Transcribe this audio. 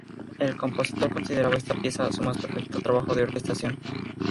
El compositor consideraba esta pieza su más perfecto trabajo de orquestación.